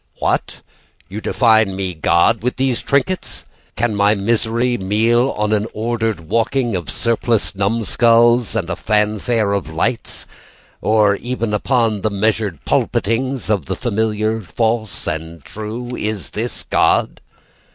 What? You define me God with these trinkets? Can my misery meal on an ordered walking Of surpliced numskulls? And a fanfare of lights? Or even upon the measured pulpitings Of the familiar false and true? Is this God?